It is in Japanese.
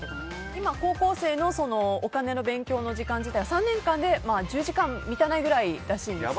今、高校生のお金の勉強の時間自体は３年間で１０時間に満たないくらいだそうです。